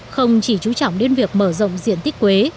không chỉ chú trọng đến việc mở rộng diện tích quế